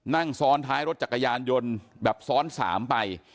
นั่งซ้อนท้ายรถจักรยานยนต์แบบซ้อน๓ไป